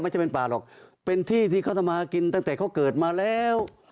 จะเป็นป่าหรอกเป็นที่ที่เขาทำมากินตั้งแต่เขาเกิดมาแล้ว